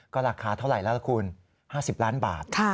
ราคาเท่าไหร่แล้วล่ะคุณ๕๐ล้านบาท